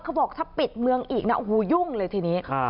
เขาบอกถ้าปิดเมืองอีกหูยุ่งเลยทีนี้